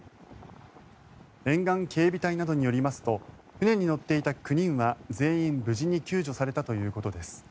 沿岸警備隊などによりますと船に乗っていた９人は全員、無事に救助されたということです。